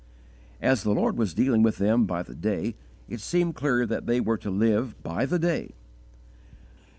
As the Lord was dealing with them by the day, it seemed clear that they were to _live by the day.